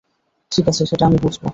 ঠিক আছে, সেটা আমি বুঝবো।